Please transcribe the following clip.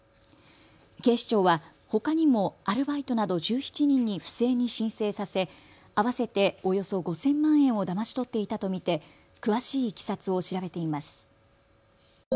警視庁はほかにもアルバイトなど１７人に不正に申請させ合わせておよそ５０００万円をだまし取っていたと見て詳しいいきさつを調べています。